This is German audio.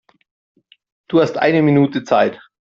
Du hast eine Minute Zeit.